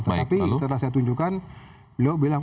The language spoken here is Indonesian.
tetapi setelah saya tunjukkan beliau bilang